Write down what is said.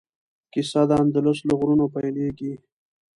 کیسه د اندلس له غرونو پیلیږي.